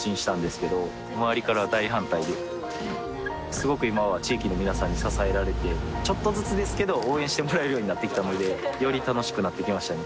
すごく今は地域の皆さんに支えられてちょっとずつですけど応援してもらえるようになってきたのでより楽しくなってきましたね